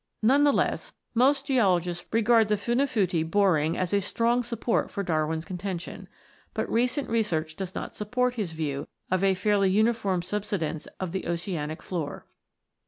None the less, most geologists regard tne Funafuti boring as a strong support for Darwin's contention ; but recent research does not support his view of a fairly uniform subsidence of the oceanic floor.